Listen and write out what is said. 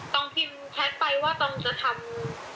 ต้องพิมพ์แล้วว่าต้องเข้าไปจะทำ